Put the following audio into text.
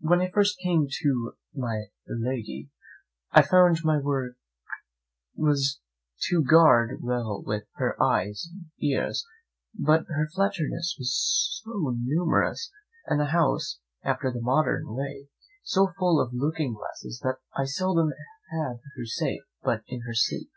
When I first came to my lady, I found my great work was to guard well her eyes and ears; but her flatterers were so numerous, and the house, after the modern way, so full of looking glasses, that I seldom had her safe but in her sleep.